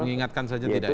mengingatkan saja tidak ya